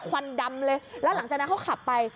ควันดำเลยแล้วหลังจากนั้นเขาขับไป